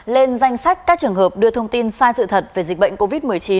lên danh sách các trường hợp đưa thông tin sai sự thật về dịch bệnh covid một mươi chín